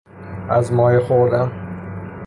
از مایه خوردن